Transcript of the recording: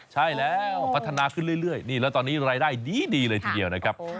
ใช่แล้วพัฒนาขึ้นเรื่อยนี่แล้วตอนนี้รายได้ดีเลยทีเดียวนะครับ